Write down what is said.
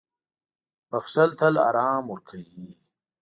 • بښل تل آرام ورکوي.